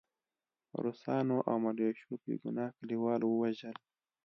روسانو او ملیشو بې ګناه کلیوال ووژل